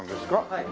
はい。